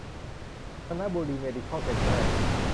ธนบุรี เมดิเคิล เซ็นเตอร์